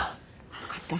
わかった。